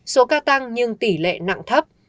số ca tăng nhưng tỷ lệ nặng thấp